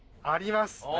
あります！